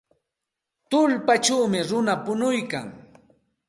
Tullpawmi runa punuykan.